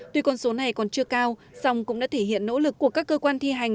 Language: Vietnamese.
tuy con số này còn chưa cao song cũng đã thể hiện nỗ lực của các cơ quan thi hành